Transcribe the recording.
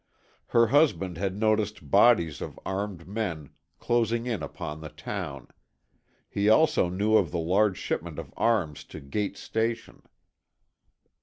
Her husband had noticed bodies of armed men closing in upon the town. He also knew of the large shipment of arms to Gate's station.